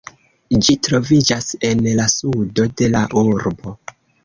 Ĝi troviĝas en la sudo de la urbo.